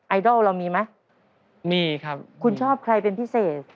ไอดอลเรามีไหมมีครับคุณชอบใครเป็นพิเศษ